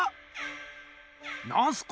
なんすか？